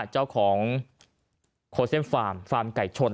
เจ้าของโคเซียมฟาร์มฟาร์มไก่ชน